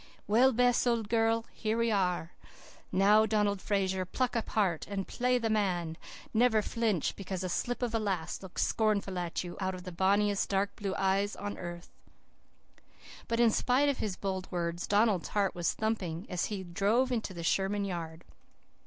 Well, Bess, old girl, here we are. Now, Donald Fraser, pluck up heart and play the man. Never flinch because a slip of a lass looks scornful at you out of the bonniest dark blue eyes on earth.' "But in spite of his bold words Donald's heart was thumping as he drove into the Sherman yard.